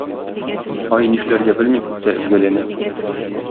Ай нишләргә белми күктә өзгәләнә